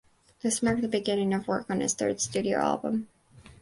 This marked the beginning of work on his third studio album.